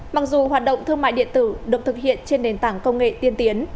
mặc dù hoạt động thương mại điện tử được thực hiện trên nền tảng công nghệ tiên tiến